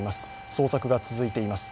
捜索が続いています。